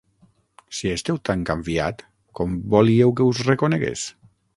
Si esteu tan canviat, com volíeu que us reconegués?